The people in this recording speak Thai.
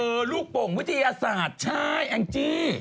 ลูกโป่งวิทยาศาสตร์ใช่แองจี้